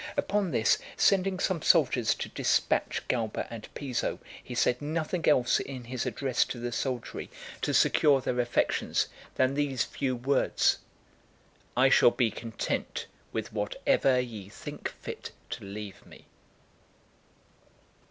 Upon this, sending some soldiers to dispatch Galba and Piso, he said nothing else in his address to the soldiery, to secure their affections, than these few words: "I shall be content with whatever ye think fit to leave me."